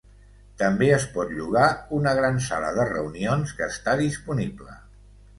També es pot llogar una gran sala de reunions que està disponible.